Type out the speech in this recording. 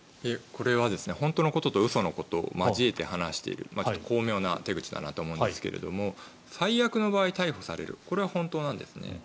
これは本当のことと嘘のことを交えて話している巧妙な手口だと思うんですが最悪の場合、逮捕されるこれは本当なんですね。